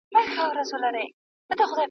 هغوی ښار ته کله ځي؟